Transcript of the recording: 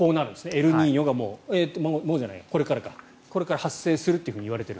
エルニーニョが、これから発生するといわれている。